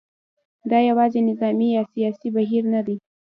دا یوازې نظامي یا سیاسي بهیر نه دی.